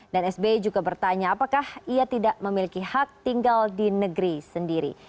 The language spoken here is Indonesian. dan sbe juga bertanya apakah ia tidak memiliki hak tinggal di negeri sendiri